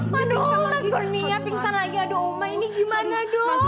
minta uang seratus oh aduh mas kurnia pingsan lagi aduh omah ini gimana dong